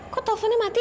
kok teleponnya mati